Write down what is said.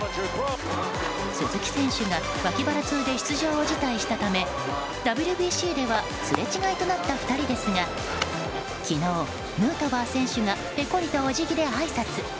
鈴木選手が脇腹痛で出場を辞退したためＷＢＣではすれ違いとなった２人ですが昨日、ヌートバー選手がぺこりとお辞儀であいさつ。